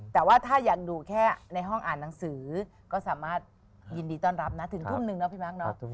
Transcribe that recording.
แต่ว่าถ้ายังดูแค่ในห้องอ่านหนังสือก็สามารถยินดีต้อนรับนะถึงทุ่มนึงเนาะพี่มักเนาะ